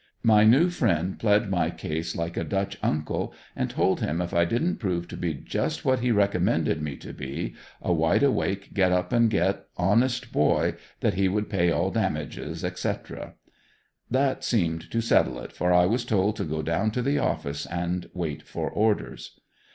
My new friend plead my case like a dutch uncle and told him if I didn't prove to be just what he recommended me to be a wide awake, get up and get, honest boy, that he would pay all damages, etc. That seemed to settle it, for I was told to go down to the office and wait for orders.